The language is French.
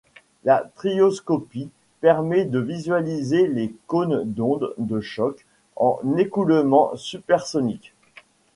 La strioscopie permet de visualiser les cônes d'ondes de choc en écoulement supersonique.